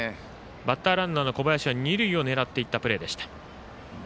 バッターランナーの小林は二塁を狙っていったプレーでした。